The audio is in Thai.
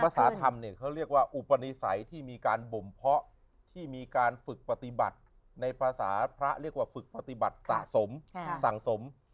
สาธรรมเนี่ยเขาเรียกว่าอุปนิสัยที่มีการบ่มเพาะที่มีการฝึกปฏิบัติในภาษาพระเรียกว่าฝึกปฏิบัติสะสมสั่งสม